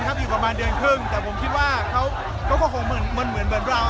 ขอบคุณครับขอบคุณครับเอาครับตอนนี้บรรยากาศกลับมาวุ่นวายเหมือนเดิมครับ